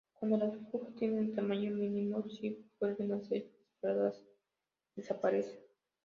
Cuando las burbujas tienen el tamaño mínimo, si vuelven a ser disparadas, desaparecen.